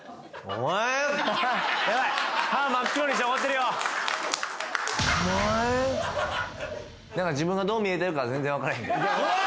お前なんか自分がどう見えてるかは全然わかれへん怖っ！